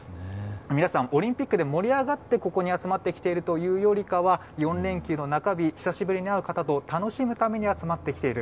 皆さん、オリンピックで盛り上がってここに集まってきているというよりかは４連休の中日、久しぶりに会う方と楽しむために集まってきている。